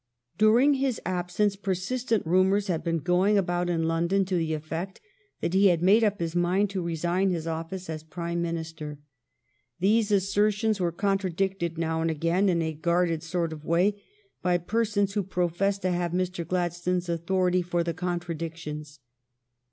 During his absence persistent rumors had been going about in London to the effect that he had made up his mind to resign his office as Prime Minister. These assertions were contradicted now and again, in a guarded sort of way, by persons who professed to have Mr. Gladstone's authority for the contradictions.